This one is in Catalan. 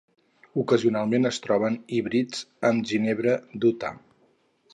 Ocasionalment es troben híbrids amb ginebra d'Utah.